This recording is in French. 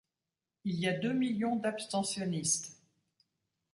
Il y a deux millions d'abstentionnistes.